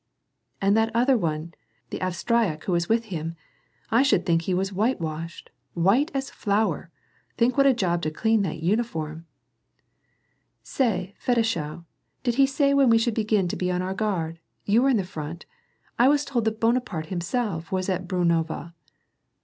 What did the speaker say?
"And that other one, the Avstnak who was with him! I should think he was whitewashed ! White as flour ! Think what a job to clean that uniform !"" Say, Fedcshou, did he say when we should begin to be on our guard ? You were in front ! I was told that Bunajiarte himself was at Brunava.